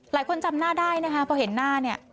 หลายคนจำหน้าได้นะครับเพราะเห็นหน้านี่